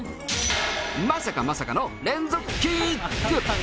まさかまさかの連続キック！